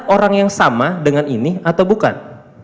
orang yang sama dengan ini atau bukan